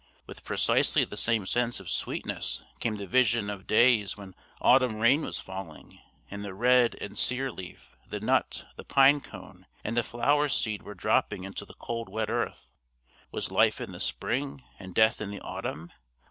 With precisely the same sense of sweetness came the vision of days when autumn rain was falling, and the red and sear leaf, the nut, the pine cone and the flower seed were dropping into the cold wet earth. Was life in the spring, and death in the autumn?